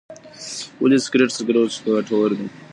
ولې سګریټ پرېښودل ګټور دي؟